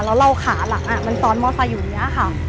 แล้วเราขาหลักอ่ะมันซ้อนมอเซอร์อยู่เนี่ยค่ะ